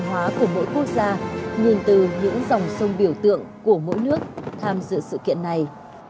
đại hóa của mỗi quốc gia nhìn từ những dòng sông biểu tượng của mỗi nước tham dự sự kiện này